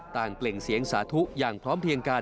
เปล่งเสียงสาธุอย่างพร้อมเพียงกัน